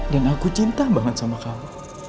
dan aku cinta banget sama kamu